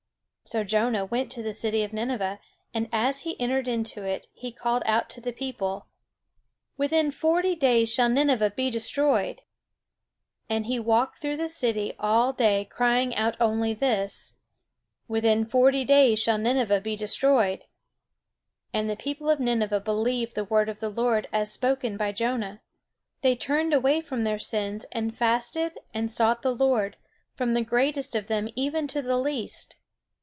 So Jonah went to the city of Nineveh; and as he entered into it, he called out to the people: "Within forty days shall Nineveh be destroyed." And he walked through the city all day crying out only this: "Within forty days shall Nineveh be destroyed." And the people of Nineveh believed the word of the Lord as spoken by Jonah. They turned away from their sins and fasted and sought the Lord, from the greatest of them even to the least.